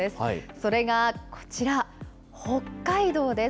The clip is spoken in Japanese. それがこちら、北海道です。